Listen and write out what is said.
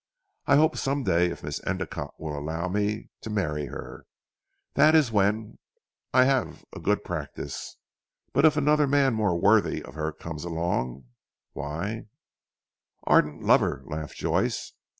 I hope some day if Miss Endicotte will allow me, to marry her that is when I have a good practice. But if another man more worthy of her comes along, why " "Ardent lover!" laughed Joyce.